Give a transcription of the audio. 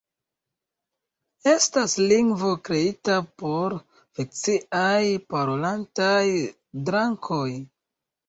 Estas lingvo kreita por fikciaj parolantaj drakoj.